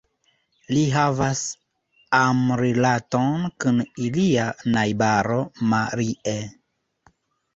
Li havas amrilaton kun ilia najbaro Marie.